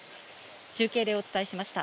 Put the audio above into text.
中継でお伝えしました。